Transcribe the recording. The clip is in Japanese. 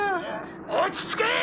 落ち着け！